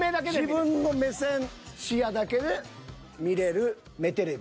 自分の目線視野だけで見れる目テレビ。